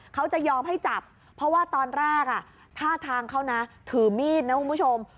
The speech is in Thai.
เขาจะยอมให้จับเพราะว่าตอนแรกท่าทางเขานะถือมีดนะคุณผู้ชม